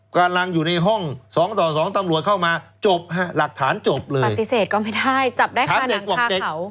กำลังอยู่ในห้องสองต่อสองตำรวจเข้ามาจบฮะหลักฐานจบเลยปฏิเสธก็ไม่ได้จับได้ค่ะถามเด็กบอกเด็ก